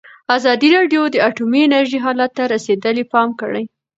ازادي راډیو د اټومي انرژي حالت ته رسېدلي پام کړی.